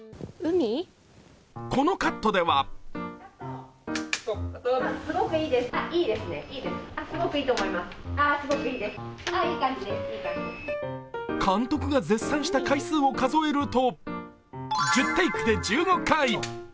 このカットでは監督が絶賛した回数を数えると１０テイクで１５回。